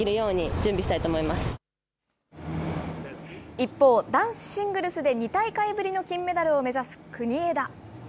一方、男子シングルスで２大会ぶりの金メダルを目指す国枝。